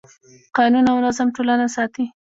قانون او نظم ټولنه ساتي.